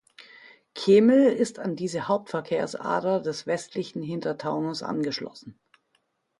Kemel ist an diese Hauptverkehrsader des westlichen Hintertaunus angeschlossen.